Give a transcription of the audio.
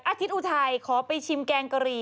อาทิตย์อุทัยขอไปชิมแกงกะหรี่